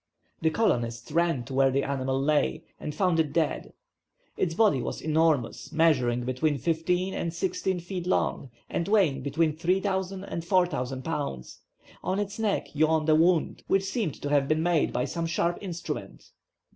The colonists ran to where the animal lay, and found it dead. Its body was enormous, measuring between 15 and 16 feet long and weighing between 3,000 and 4,000 pounds. On its neck, yawned a wound, which seemed to have been made by some sharp instrument.